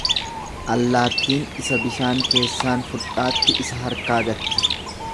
Allaattiin isa bishaan keessaan fudhaatti isa harkaa gatti.